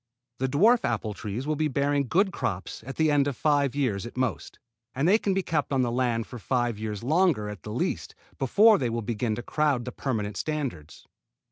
The dwarf apple trees will be bearing good crops at the end of five years at most; and they can be kept on the land for five years longer at the least, before they will begin to crowd the permanent standards.